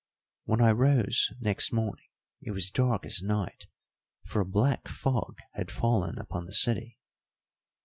"When I rose next morning it was dark as night, for a black fog had fallen upon the city."